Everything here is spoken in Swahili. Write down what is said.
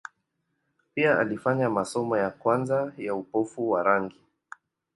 Pia alifanya masomo ya kwanza ya upofu wa rangi.